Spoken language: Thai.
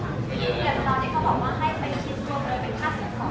อย่างนี้เดี๋ยวตอนนี้เขาบอกว่าให้ไปคิดรวมเลยเป็นค่าเสียของ